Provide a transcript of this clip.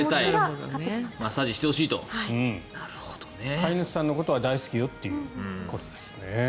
飼い主さんのことは大好きよということですね。